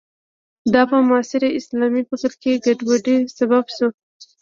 دا په معاصر اسلامي فکر کې ګډوډۍ سبب شو.